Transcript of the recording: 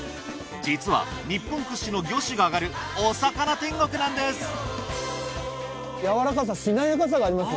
実は日本屈指の魚種が揚がるお魚天国なんです！